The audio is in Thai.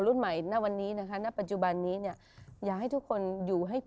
รุ่นใหม่ณวันนี้นะคะณปัจจุบันนี้เนี่ยอยากให้ทุกคนอยู่ให้